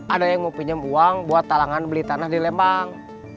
ada yang mau pinjam uang buat talangan beli tanah di lembang